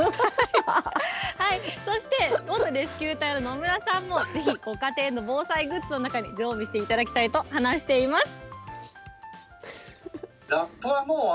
そして、元レスキュー隊の野村さんも、ぜひご家庭の防災グッズの中に常備していただきたいと話しています。